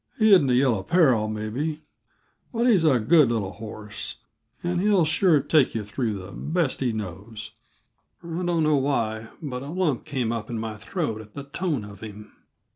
He isn't the Yellow Peril, maybe, but he's a good little horse, and he'll sure take yuh through the best he knows." I don't know why, but a lump came up in my throat at the tone of him.